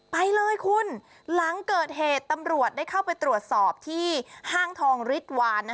ไปเลยคุณหลังเกิดเหตุตำรวจได้เข้าไปตรวจสอบที่ห้างทองฤทธวาน